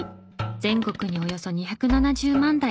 全国におよそ２７０万台。